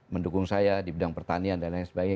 mendukung saya di bidang pertanian dan lain sebagainya